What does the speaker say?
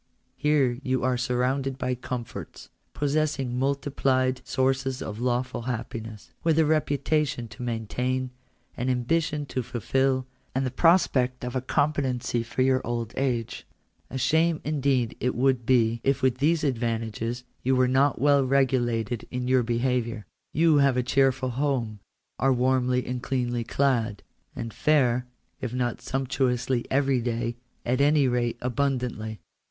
Here are you surrounded by comforts, possessing multiplied sources of lawful happiness, with a reputation to maintain, an ambition to fulfil, and the prospect of a compe tency for your old age. A shame indeed would it be if with these advantages you were not well regulated in your beha viour. You have a cheerful home, are warmly and cleanly clad, and fare, if not sumptuously every day, at any rate abund antly.